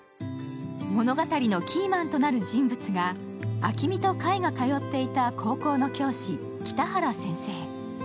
物語のキーマンとなる人物が暁海と櫂が通っていた高校の教師・北原先生。